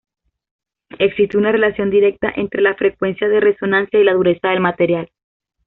Existe una relación directa entre la frecuencia de resonancia y la dureza del material.